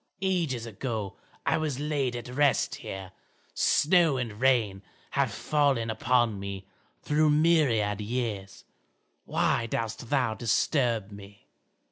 Ages ago I was laid at rest here, snow and rain have fallen upon me through myriad years; why dost thou disturb me?"